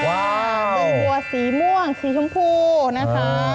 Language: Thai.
ตัวบัวสีม่วงสีชมพูนะคะ